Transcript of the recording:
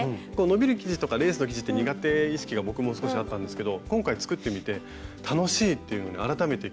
伸びる生地とかレースの生地って苦手意識が僕も少しあったんですけど今回作ってみて楽しいっていうのに改めて気が付きました。